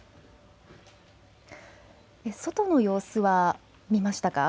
外の様子は見えましたか。